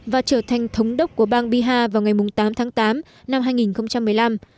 và trở thành thống đốc của bang bihar vào ngày tám tháng tám năm hai nghìn một mươi năm